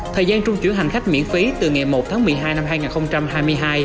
thời gian trung chuyển hành khách miễn phí từ ngày một tháng một mươi hai năm hai nghìn hai mươi hai